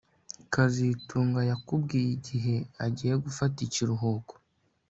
kazitunga yakubwiye igihe agiye gufata ikiruhuko